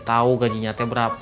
kalau gajinya sebulan